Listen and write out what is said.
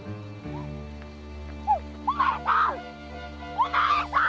お前さん！